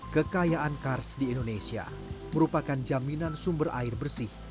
kekayaan kars di indonesia merupakan jaminan sumber air bersih